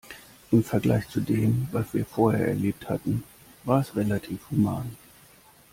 Im Vergleich zu dem, was wir vorher erlebt hatten, war es relativ human.